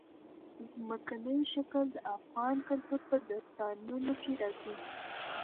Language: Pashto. ځمکنی شکل د افغان کلتور په داستانونو کې راځي.